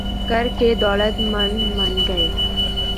کر کے دولتمند بن گئے